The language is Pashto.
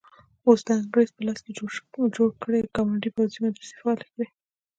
اوس د انګریز په لاس جوړ کړي ګاونډي پوځي مدرسې فعالې کړي.